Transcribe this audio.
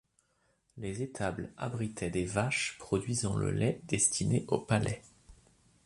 Les étables abritaient des vaches produisant le lait destiné au Palais.